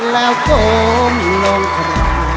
แล้วโกมลงข้าง